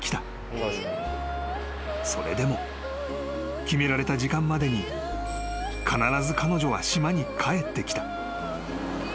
［それでも決められた時間までに必ず彼女は島に帰ってきた］